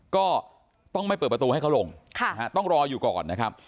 ก็ต้องไม่เปิดประตูให้เขาลงต้องรออยู่ก่อนนะครับ